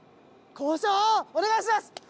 交渉お願いします。